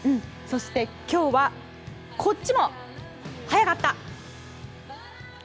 そして今日はこっちも速かった！